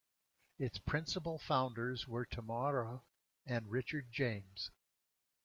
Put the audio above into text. Its principal founders were Tamarra and Richard James.